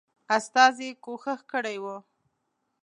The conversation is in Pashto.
استازي کوښښ کړی وو.